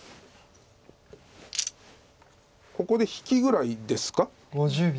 ここで引きぐらいですか。